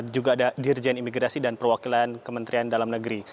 juga ada dirjen imigrasi dan perwakilan kementerian dalam negeri